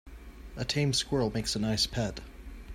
A tame squirrel makes a nice pet.